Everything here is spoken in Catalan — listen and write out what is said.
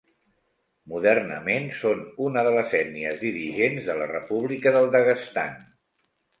Modernament són una de les ètnies dirigents de la República del Daguestan.